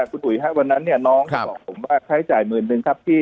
คุณอุ๋ยวันนั้นเนี่ยน้องบอกผมว่าไข้จ่ายหมื่นหนึ่งครับพี่